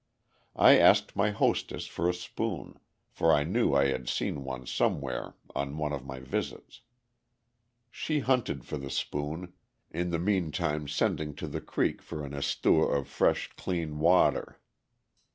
I asked my hostess for a spoon, for I knew I had seen one somewhere on one of my visits. She hunted for the spoon, in the meantime sending to the creek for an esuwa of fresh, clean water.